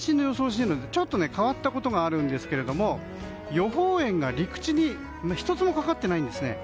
進路図ちょっと変わったことがあるんですけれど予報円が陸地に１つもかかっていないんです。